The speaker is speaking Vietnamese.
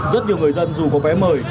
rất nhiều người dân dù có vé mời